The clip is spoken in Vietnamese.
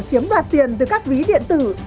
chiếm đoạt tiền từ các ví điện tử